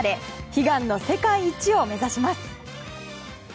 悲願の世界一を目指します。